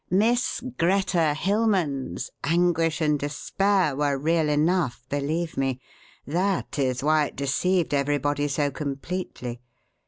'Miss Greta Hilmann's' anguish and despair were real enough, believe me (that is why it deceived everybody so completely).